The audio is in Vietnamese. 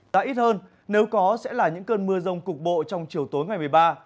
tại ít hơn nếu có sẽ là những cơn mưa rông cục bộ trong chiều tối ngày một mươi ba